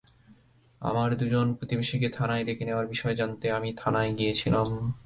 আমার দুজন প্রতিবেশীকে থানায় ডেকে নেওয়ার বিষয়ে জানতে আমি থানায় গিয়েছিলাম।